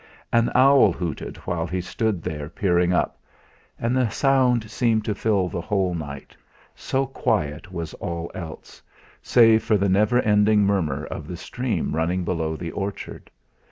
An owl hooted while he stood there peering up, and the sound seemed to fill the whole night, so quiet was all else, save for the never ending murmur of the stream running below the orchard.